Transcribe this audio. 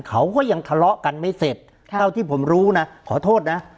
เขาก็ยังทะเลาะกันไม่เสร็จเท่าที่ผมรู้นะขอโทษนะ